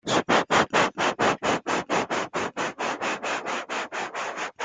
La gmina borde les gminy de Barlinek, Kłodawa, Lubiszyn et Myślibórz.